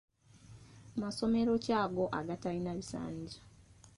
Masomero ki ago agatalina bisaanyizo?